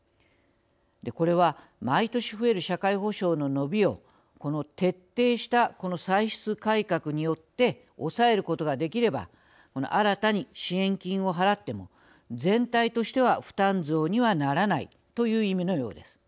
これは毎年増える社会保障の伸びをこの徹底したこの歳出改革によって抑えることができれば新たに支援金を払っても全体としては負担増にはならないという意味のようです。